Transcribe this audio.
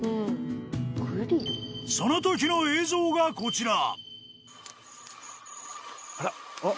［そのときの映像がこちら］